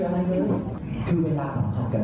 แต่เลยครั้งนั้นที่คุณรอพูดเนี่ย